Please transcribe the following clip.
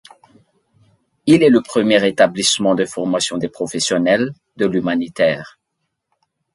Il est le premier établissement de formation des professionnels de l'humanitaire.